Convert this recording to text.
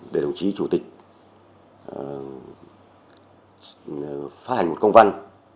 để đồng chí chủ tịch phát hành công văn